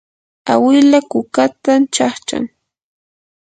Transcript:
awila kukatan chaqchan.